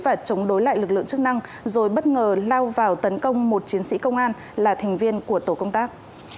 và chống đối lại lực lượng chức năng rồi bất ngờ lao vào tấn công một chiến sĩ công an là thành viên của tổ công tác